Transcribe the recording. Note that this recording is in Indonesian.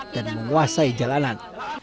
dan menguasai jalanan